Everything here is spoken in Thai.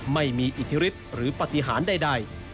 ไม่มีอิทธิฤทธิ์หรือปฏิหารใด